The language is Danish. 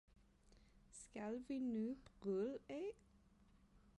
Skal vi nu bryde af